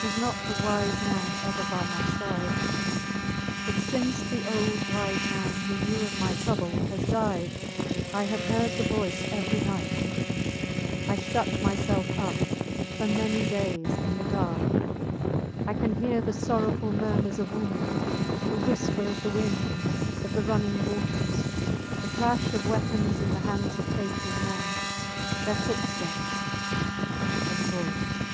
Was not the wise man ever by my side? But since the old wise man, who knew of my trouble, has died, I have heard the voice every night. I shut myself up for many days in the dark. I can hear the sorrowful murmurs of women, the whisper of the wind, of the running waters; the clash of weapons in the hands of faithful men, their footsteps and his voice!